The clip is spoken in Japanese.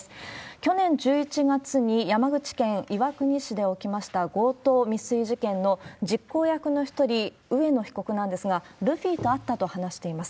去年１１月に山口県岩国市で起きました強盗未遂事件の実行役の１人、上野被告なんですが、ルフィと会ったと話しています。